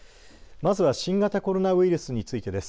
まずは新型コロナウイルスについてです。